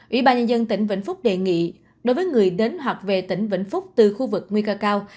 ủy ban nhân dân tỉnh vĩnh phúc đề nghị đối với người đến hoặc về tỉnh vĩnh phúc từ khu vực nguy cơ cao